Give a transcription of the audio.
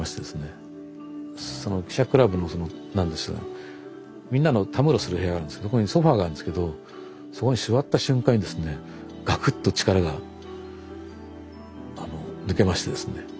記者クラブのそのみんなのたむろする部屋があるんですけどそこにソファーがあるんですけどそこに座った瞬間にですねガクッと力が抜けましてですね。